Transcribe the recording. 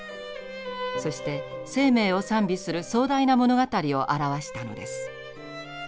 そして生命を賛美する壮大な物語を著したのです。